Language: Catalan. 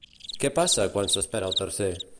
Què passa quan s'espera el tercer?